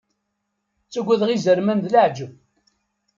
Ttagadeɣ izerman d leεǧab.